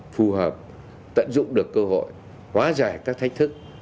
phù hợp tận dụng được cơ hội hóa giải các thách thức